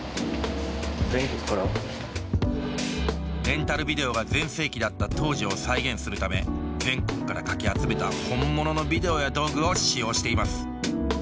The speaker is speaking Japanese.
レンタルビデオが全盛期だった当時を再現するため全国からかき集めた本物のビデオや道具を使用しています。